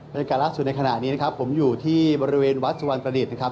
บรรยากาศล่าสุดในขณะนี้นะครับผมอยู่ที่บริเวณวัดสุวรรณประดิษฐ์นะครับ